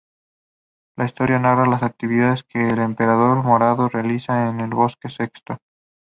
La historia narra las actividades que el Emperador Morado realiza en el bosque Sexton.